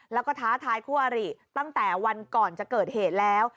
แล้วก็ท้าทายคู่อริตั้งแต่วันก่อนจะเกิดเหตุแล้ว